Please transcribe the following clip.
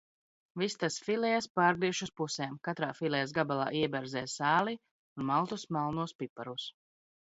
Vistas filejas pārgriež uz pusēm, katrā filejas gabalā ieberzē sāli un maltus melnos piparus.